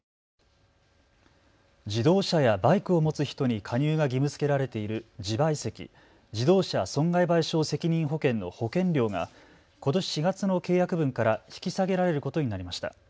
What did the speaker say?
自動車やバイクを持つ人に加入が義務づけられている自賠責・自動車損害賠償責任保険の保険料がことし４月の契約分から引き下げられることになりました。